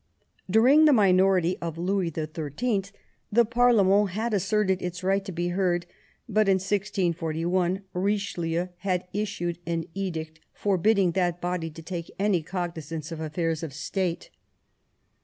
During the minority of Louis XIII. the parlement had asserted its right to be heard, but in 1641 Eichelieu had issued an edict forbidding that body to take any cognis ance of affairs of State.